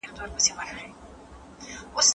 هغه د بې نظمۍ پايلې پېژندلې.